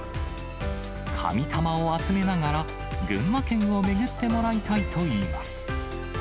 神玉を集めながら、群馬県を巡ってもらいたいといいます。